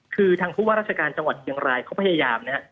คือทางผู้ว่าราชการจังหวัดเชียงรายเขาพยายามนะฮะ